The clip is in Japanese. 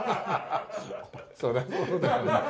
そりゃそうだよな。